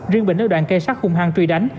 riêng bình ở đoạn cây sắt hung hăng truy đánh